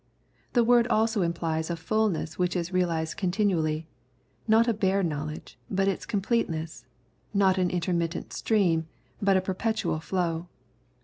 The word also implies a ful ness which is realised continually — not a bare knowledge, but its completeness ; not an intermittent stream, but a perpetual flow.